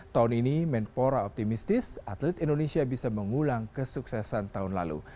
tahun ini menpora optimistis atlet indonesia bisa mengulang kesuksesan tahun lalu